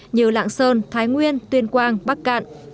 như lạng sơn thái nguyên tuyên quang bắc cạn